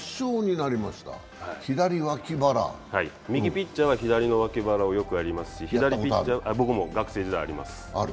右ピッチャーは左の脇腹をよくやりますし左ピッチャーは僕も、学生時代あります。